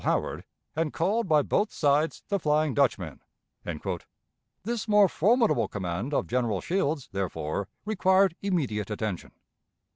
Howard, and called by both sides 'the flying Dutchmen.'" This more formidable command of General Shields therefore required immediate attention.